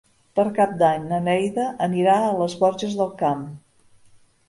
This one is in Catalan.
Per Cap d'Any na Neida anirà a les Borges del Camp.